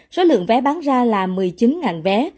số lượng vé bán ra là một mươi chín vé